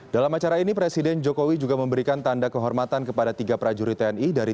dalam acara ini presiden jokowi juga memberikan tanda kehormatan kepada tiga prajurit tni dari